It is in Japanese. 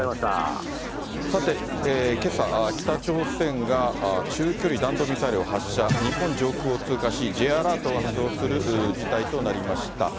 さて、けさ、北朝鮮が中距離弾道ミサイルを発射、日本上空を通過し、Ｊ−ＡＬＥＲＴが発動する事態となりました。